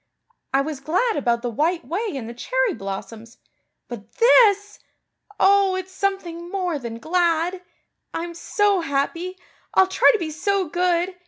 I was glad about the White Way and the cherry blossoms but this! Oh, it's something more than glad. I'm so happy. I'll try to be so good.